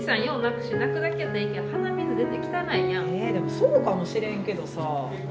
でもそうかもしれんけどさ。